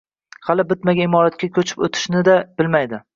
hali bitmagan imoratga ko‘chib o‘tishini-da bilmaydi.